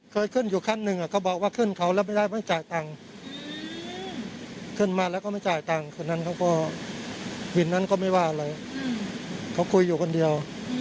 เคยขึ้นอยู่ขั้นหนึ่งนั่นก็บอกว่าขึ้นเขาแล้วไม่ได้จ่ายตังค์ขึ้นมาแล้วก็ไม่จ่ายตังค์ขอนั้นเขาก็ไปคุยอยู่คนเดียว